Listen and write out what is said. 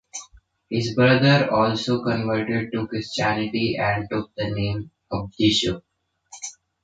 His brother also converted to Christianity and took the name Abdisho.